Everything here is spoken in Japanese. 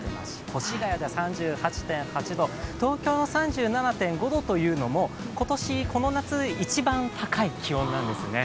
越谷が３８．８度東京の３７．５度というのも、今年、この夏一番高い気温なんですね。